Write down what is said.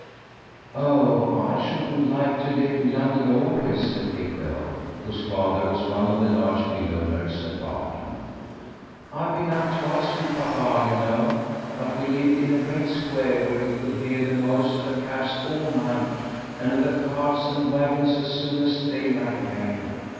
"Oh, I shouldn't like to live in London always," said Kate Bell, whose father was one of the large mill owners at Barton. "I've been up twice with papa, you know; but we lived in a great square where we could hear the noise of the cabs all night, and of the carts and wagons as soon as daylight came.